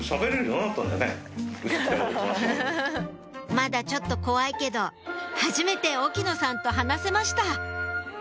まだちょっと怖いけどはじめて沖野さんと話せました！